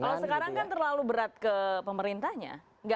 kalau sekarang kan terlalu berat ke pemerintahnya